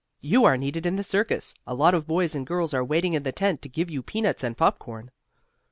"You are needed in the circus. A lot of boys and girls are waiting in the tent, to give you peanuts and popcorn."